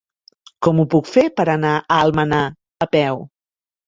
Com ho puc fer per anar a Almenar a peu?